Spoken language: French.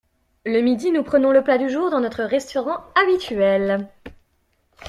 Le midi, nous prenons le plat du jour dans notre restaurant habituel.